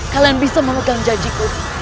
kalian bisa mengutam jajiku